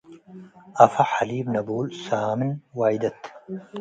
አፍሀ ሐሊብ ነቡል ሳምን ዋይደት